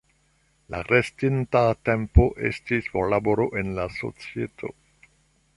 La restinta tempo estis por laboro en la societo.